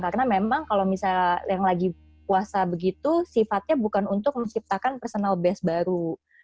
karena memang kalau misalnya yang lagi puasa begitu sifatnya bukan untuk menciptakan personal base baru